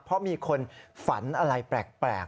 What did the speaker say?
เพราะมีคนฝันอะไรแปลก